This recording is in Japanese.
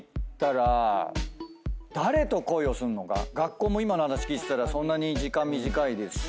学校も今の話聞いてたら時間短いですし。